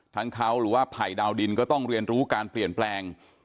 ทั้งเขาหรือว่าภัยดาวดินก็ต้องเรียนรู้การเปลี่ยนแปลง